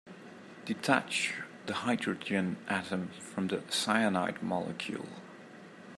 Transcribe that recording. Detach the hydrogen atom from the cyanide molecule.